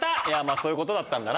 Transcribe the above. そういうことだったんだな。